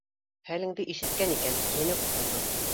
Хәлеңде ишеткән икән, ене ҡоторҙо